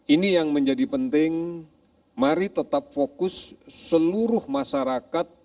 ini yang menjadi penting mari tetap fokus seluruh masyarakat